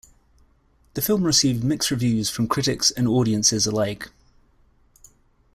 The film received mixed reviews from critics and audiences alike.